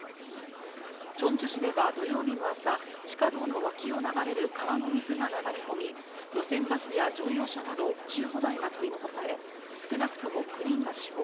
チョンジュ市では土曜日の朝、地下道の脇を流れる川の水が流れ込み、路線バスや乗用車など１５台が取り残され、少なくとも９人が死亡。